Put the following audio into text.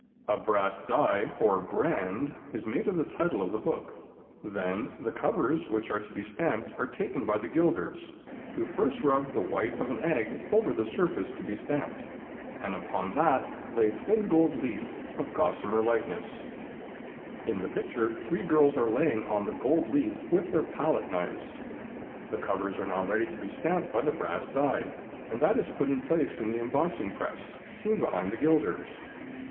A brass die, or brand, is made of the title of the book; then the covers which are to be stamped are taken by the gilders, who first rub the white of an egg over the surface to be stamped, and upon that lay thin gold leaf, of gossamer lightness. [Illustration: Burnishing Gilt Edges.] In the picture three girls are laying on the gold leaf with their pallet knives. The covers are now ready to be stamped by the brass die, and that is put in place in the embossing press, seen behind the gilders.